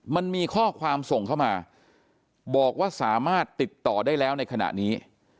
มันมีข้อความส่งเข้ามาบอกว่าสามารถติดต่อได้แล้วในขณะนี้